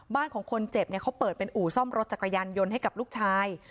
บ้านของคนเจ็บเนี่ยเขาเปิดเป็นอู่ซ่อมรถจักรยานยนต์ให้กับลูกชาย